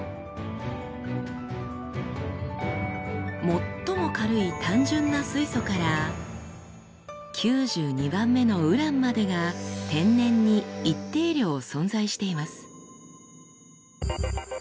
最も軽い単純な水素から９２番目のウランまでが天然に一定量存在しています。